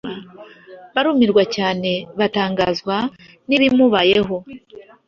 barumirwa cyane, batangazwa n’ibimubayeho.”